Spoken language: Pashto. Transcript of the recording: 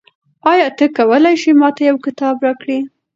آیا ته کولای شې ما ته یو کتاب راکړې؟